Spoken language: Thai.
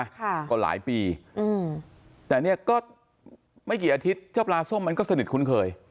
ค่ะก็หลายปีอืมแต่เนี้ยก็ไม่กี่อาทิตย์เจ้าปลาส้มมันก็สนิทคุ้นเคย